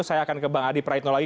saya akan ke bang adi praitno lagi